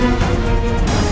aku sudah menang